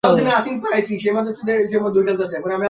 বিনয়কৃষ্ণ, রাজা কলিকাতা শোভাবাজার রাজপরিবারের রাজা বিনয়কৃষ্ণ দেব।